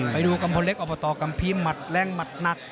ไปดูกัมพลเล็กอบตกัมภีร์หมัดแรงหมัดหนัก